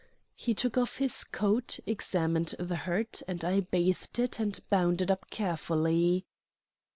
He took off his coat, examined the hurt, and I bathed it and bound it up carefully.